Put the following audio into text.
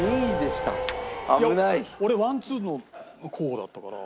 俺ワンツーの候補だったから。